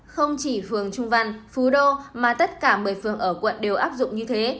không chỉ phường trung văn phú đô mà tất cả một mươi phường ở quận đều áp dụng như thế